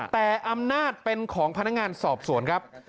แต่อำนาจเป็นของพนักงานสอบสวนครับ